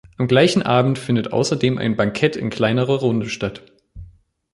Am gleichen Abend findet außerdem ein Bankett in kleinerer Runde statt.